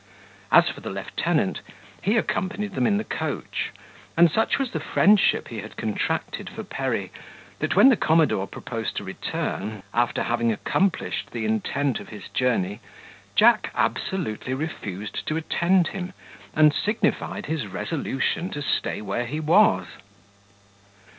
As for the lieutenant, he accompanied them in the coach; and such was the friendship he had contracted for Perry, that when the commodore proposed to return, after having accomplished the intent of his journey, Jack absolutely refused to attend him, and signified his resolution to stay where he was.